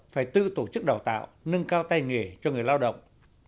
phải tự tổ chức đào tạo nâng cao tay nghề cho người lao động